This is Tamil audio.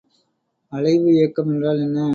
அலைவு இயக்கம் என்றால் என்ன?